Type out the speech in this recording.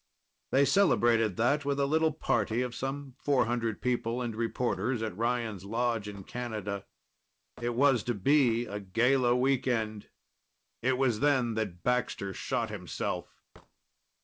They celebrated that, with a little party of some four hundred people and reporters at Ryan's lodge in Canada. It was to be a gala weekend. It was then that Baxter shot himself.